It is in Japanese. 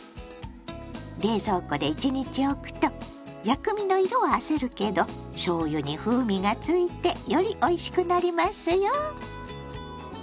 冷蔵庫で１日おくと薬味の色はあせるけどしょうゆに風味がついてよりおいしくなりますよ。